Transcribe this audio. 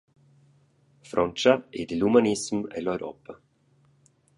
Frontscha ed il humanissem ell’Europa.